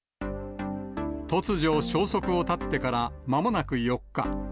突如、消息を絶ってからまもなく４日。